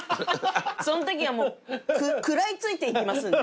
そのときはもう食らいついていきますんで。